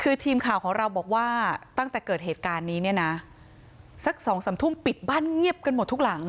คือทีมข่าวของเราบอกว่าตั้งแต่เกิดเหตุการณ์นี้เนี่ยนะสักสองสามทุ่มปิดบ้านเงียบกันหมดทุกหลัง